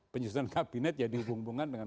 penyusunan kabinet ya dihubungkan dengan